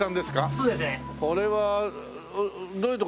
そうですね。